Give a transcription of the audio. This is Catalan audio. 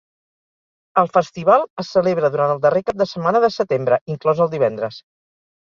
El festival es celebra durant el darrer cap de setmana de setembre, inclòs el divendres.